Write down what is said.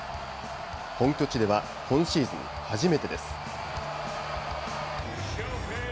本拠地では今シーズン初めてです。